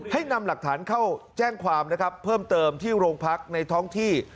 ให้นำหลักฐานเข้าแจ้งความนะครับเพิ่มเติมที่โรงพักในท้องที่